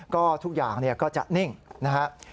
ก็ทุกอย่างก็จะนิ่งนะครับ